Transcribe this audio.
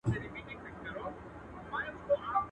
ازمايښت اول په کال و، اوس په گړي دئ.